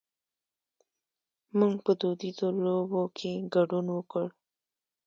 مونږ په دودیزو لوبو کې ګډون وکړ.